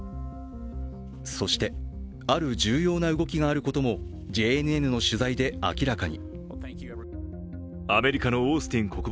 そして、ある重要な動きがあることも、ＪＮＮの取材で明らかに。